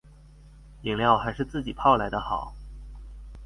飲料還是自己泡來的好